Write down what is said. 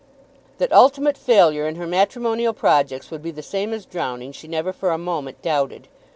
That ultimate failure in her matrimonial projects would be the same as drowning she never for a moment doubted.